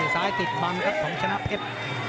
สายติดบังกับของชนะเพศ